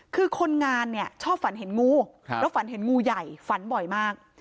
คือคนงานเนี่ยชอบฝันเห็นงูแล้วฝันเห็นงูใหญ่ฝันบ่อยมาก